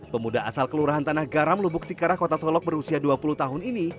pemuda asal kelurahan tanah garam lubuk sikarah kota solok berusia dua puluh tahun ini